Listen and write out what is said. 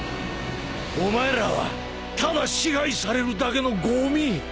お前らはただ支配されるだけのごみ。